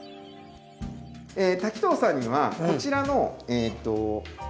滝藤さんにはこちらのえと。